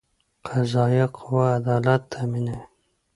قضایه قوه عدالت تامینوي